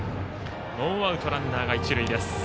ノーアウト、ランナーが一塁です。